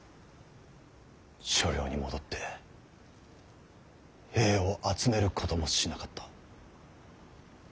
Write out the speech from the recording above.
所領に戻って兵を集めることもしなかった。